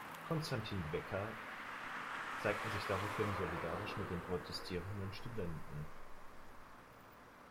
Konstantin Wecker, zeigten sich daraufhin solidarisch mit den protestierenden Studenten.